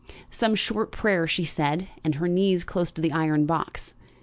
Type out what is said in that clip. Some short prayer she said, with her knees close to the iron box.